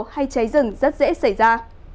hay cháy rừng rất dễ xảy ra